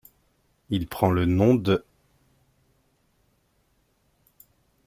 Il prend le nom d'.